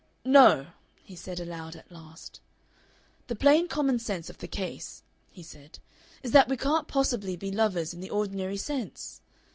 "No!" he said aloud at last. "The plain common sense of the case," he said, "is that we can't possibly be lovers in the ordinary sense.